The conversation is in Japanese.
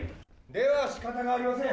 ではしかたがありません。